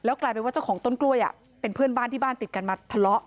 กลายเป็นว่าเจ้าของต้นกล้วยเป็นเพื่อนบ้านที่บ้านติดกันมาทะเลาะ